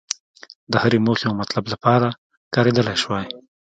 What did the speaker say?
د هرې موخې او مطلب لپاره کارېدلای شوای.